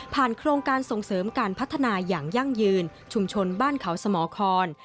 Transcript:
โครงการส่งเสริมการพัฒนาอย่างยั่งยืนชุมชนบ้านเขาสมคร